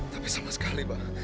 tapi sama sekali pak